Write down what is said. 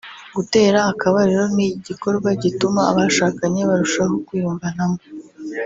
Gutera akabariro ni igikorwa gituma abashakanye barushaho kwiyumvanamo